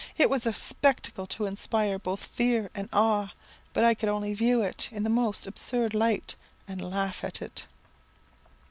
It was a spectacle to inspire both fear and awe, but I could only view it in the most absurd light, and laugh at it.